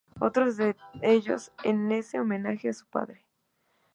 Otro de ellos es en homenaje a su padre.